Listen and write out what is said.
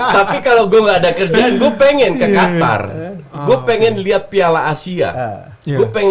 tapi kalau gue gak ada kerjaan gue pengen ke qatar gue pengen lihat piala asia gue pengen